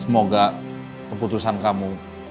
semoga keputusan kamu